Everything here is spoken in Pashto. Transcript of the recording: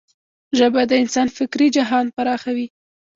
ژبه د انسان فکري جهان پراخوي.